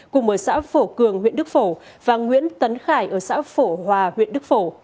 cùng ở xã phổ cường huyện đức phổ và nguyễn tấn khải ở xã phổ hòa huyện đức phổ